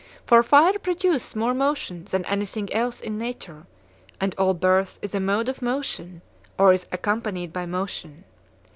For fire produces more motion than anything else in nature, and all birth is a mode of motion, or is accompanied by motion.